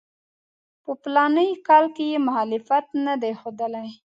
په فلاني کال کې یې مخالفت نه دی ښودلی.